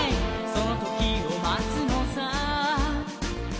「そのときをまつのさ」